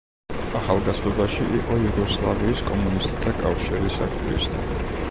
ახალგაზრდობაში იყო იუგოსლავიის კომუნისტთა კავშირის აქტივისტი.